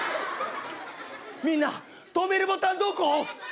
みんな止めるボタンどこ？